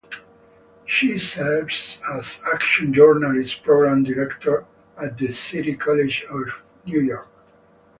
She serves as Acting Journalism Program Director at the City College of New York.